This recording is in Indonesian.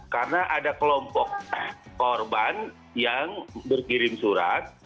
karena ada kelompok korban yang berkirim surat